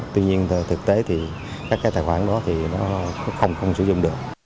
tuy nhiên thực tế thì các cái tài khoản đó thì nó không sử dụng được